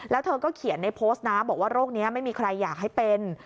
แล้วเธอก็เขียนในโพสต์นะบอกว่าโรคนี้ไม่มีใครอยากให้เป็น